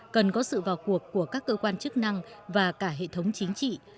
cần có sự vào cuộc của các cơ quan chức năng và cả hệ thống chính trị